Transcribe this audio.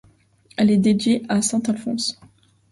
Elle est dédiée à saint Alphonse.